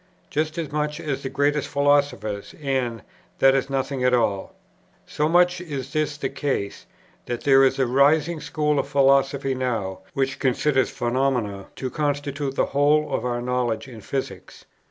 just as much as the greatest philosophers, and that is nothing at all;" so much is this the case, that there is a rising school of philosophy now, which considers phenomena to constitute the whole of our knowledge in physics.